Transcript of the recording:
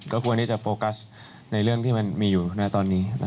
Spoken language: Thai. ก็ควรที่จะโฟกัสในเรื่องที่มันมีอยู่ในตอนนี้